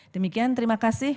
demikian terima kasih